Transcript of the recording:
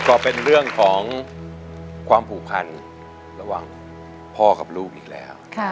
ก็เป็นเรื่องของความผูกพันระหว่างพ่อกับลูกอีกแล้ว